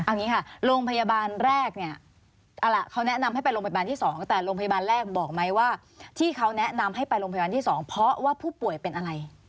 เอาอย่างนี้ค่ะโรงพยาบาลแรกเนี่ยเขาแนะนำให้ไปโรงพยาบาลที่๒แต่โรงพยาบาลแรกบอกไหมว่าที่เขาแนะนำให้ไปโรงพยาบาลที่๒เพราะว่าผู้ป่วยเป็นอะไร